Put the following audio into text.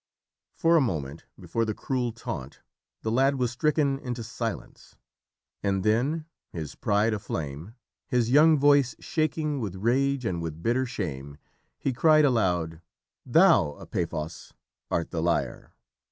For a moment, before the cruel taunt, the lad was stricken into silence, and then, his pride aflame, his young voice shaking with rage and with bitter shame, he cried aloud: "Thou, Epaphos, art the liar.